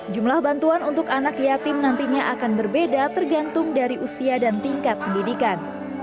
jumlah bantuan untuk anak yatim nantinya akan berbeda tergantung dari usia dan tingkat pendidikan